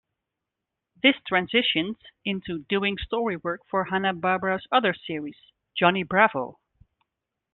This transitioned into doing story work for Hanna-Barbera's other series, "Johnny Bravo".